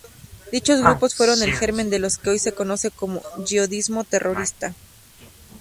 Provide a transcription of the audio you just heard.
Dichos grupos fueron el germen de lo que hoy se conoce como yihadismo terrorista.